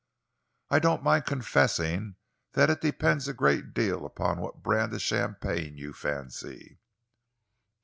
"I don't mind confessing that it depends a great deal upon what brand of champagne you fancy."